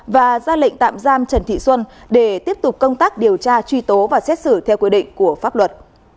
và ra lệnh tạm giam trần thị xuân để tiếp tục công tác điều tra truy tố và xét xử theo quy định của pháp luật